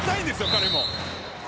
彼も。